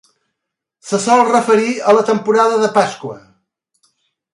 Se sol referir a la temporada de Pasqua.